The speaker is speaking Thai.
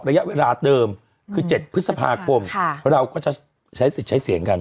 ระยะเวลาเดิมคือ๗พฤษภาคมพอเราก็จะใช้เสียงกัน